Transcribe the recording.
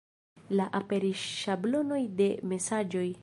La aperis ŝablonoj de mesaĝoj.